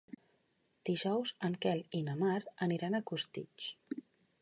Dijous en Quel i na Mar aniran a Costitx.